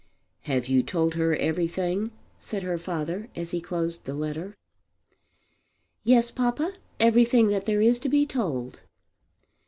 "Have you told her everything?" said her father as he closed the letter. "Yes, papa; everything that there is to be told."